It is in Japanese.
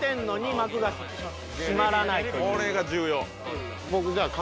これが重要！